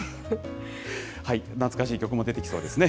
懐かしい曲も出てきそうですね。